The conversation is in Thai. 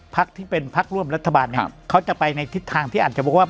พักที่เป็นพักร่วมรัฐบาลเนี่ยเขาจะไปในทิศทางที่อาจจะบอกว่า